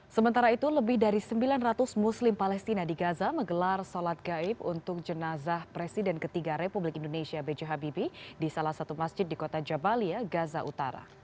sementara itu lebih dari sembilan ratus muslim palestina di gaza menggelar sholat gaib untuk jenazah presiden ketiga republik indonesia b j habibie di salah satu masjid di kota jabalia gaza utara